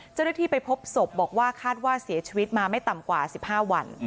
เจ้าหน้าที่ไปพบศพบอกว่าคาดว่าเสียชีวิตมาไม่ต่ำกว่า๑๕วัน